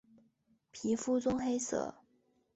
皮肤棕黑色。